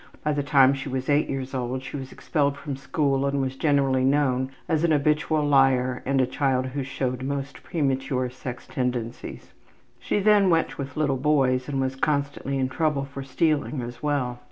By the time she was 8 years old she was expelled from school and was generally known as an habitual liar and a child who showed most premature sex tendencies. She then went much with little boys and was constantly in trouble for stealing as well.